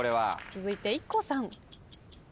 続いてＩＫＫＯさん。